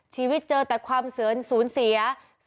ชีวิตเจอแต่ความเสริญ